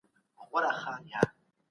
تاسو به د خپل ذهن د پاکوالي لپاره هڅه کوئ.